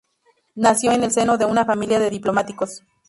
Nació en el seno de una familia de diplomáticos.